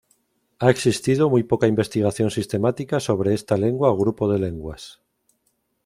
Ha existido muy poca investigación sistemática sobre esta lengua o grupo de lenguas.